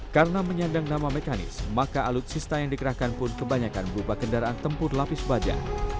karena menyandang nama mekanis maka alutsista yang dikerahkan pun kebanyakan berupa kendaraan tempur lapis baja